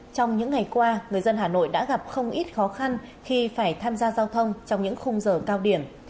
trong những ngày qua người dân hà nội đã gặp không ít khó khăn khi phải tham gia giao thông trong những khung giờ cao điểm